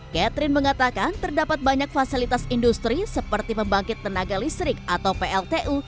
catherine mengatakan terdapat banyak fasilitas industri seperti pembangkit tenaga listrik atau pltu